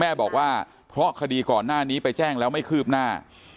แม่บอกว่าเพราะคดีก่อนหน้านี้ไปแจ้งแล้วไม่คืบหน้า